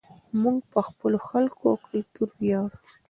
موږ په خپلو خلکو او کلتور ویاړو.